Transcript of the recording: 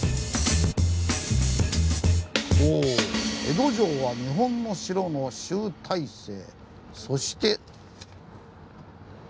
お「江戸城は日本の城の集大成！そして」。